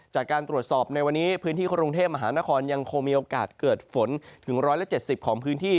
จากการตรวจสอบในวันนี้พื้นที่กรุงเทพมหานครยังคงมีโอกาสเกิดฝนถึง๑๗๐ของพื้นที่